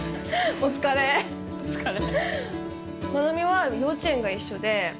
お疲れ。